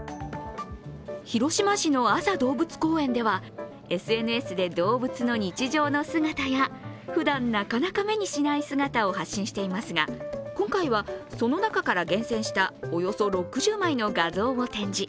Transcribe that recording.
広島市の安佐動物公園では、ＳＮＳで動物の日常の姿やふだんなかなか目にしない姿を発信していますが今回はその中から厳選したおよそ６０枚の画像を展示。